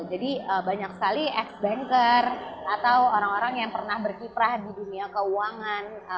jadi banyak sekali ex banker atau orang orang yang pernah berkiprah di dunia keuangan